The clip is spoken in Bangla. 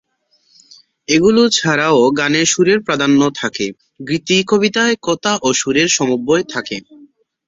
এগুলো ছাড়াও গানে সুরের প্রাধান্য থাকে; গীতিকবিতায় কথা ও সুরের সমন্বয় থাকে।